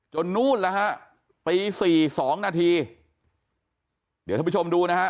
นู่นแล้วฮะตีสี่สองนาทีเดี๋ยวท่านผู้ชมดูนะฮะ